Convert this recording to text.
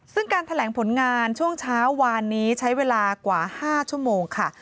ซึ่งการแถลงผลงานช่วงเช้าวานนี้ใช้เวลากว่า๕ชั่วโมงค่ะ